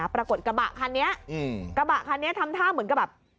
ปรากฏกระบะคันนี้ทำท่าเหมือนกับแบบ